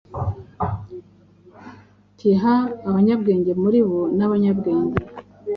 Th abanyabwenge muri bo nabanyabwenge